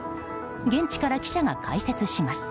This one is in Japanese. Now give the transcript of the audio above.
現地から記者が解説します。